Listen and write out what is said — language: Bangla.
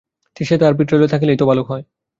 সে তাহার পিত্রালয়ে থাকিলেই তো ভালো হয়।